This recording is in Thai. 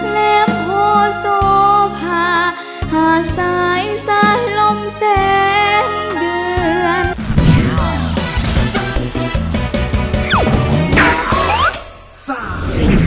เล็บโหดโศพาหาสายสายลมเส้นเดือน